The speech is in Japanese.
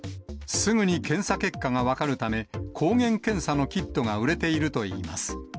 すぐに検査結果が分かるため、抗原検査のキットが売れているといいます。